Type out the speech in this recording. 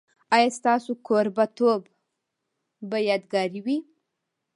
ایا ستاسو کوربه توب به یادګار وي؟